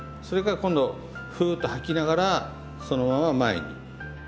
それから今度ふっと吐きながらそのまま前に。